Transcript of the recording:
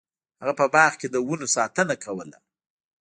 هغه په باغ کې د ونو ساتنه کوله.